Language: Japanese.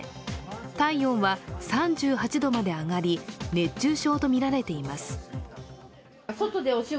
体温は３８度まで上がり、熱中症とみられています。